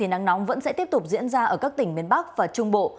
nắng nóng vẫn sẽ tiếp tục diễn ra ở các tỉnh miền bắc và trung bộ